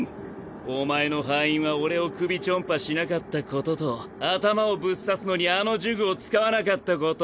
お前の敗因は俺を首チョンパしなかったことと頭をぶっ刺すのにあの呪具を使わなかったこと。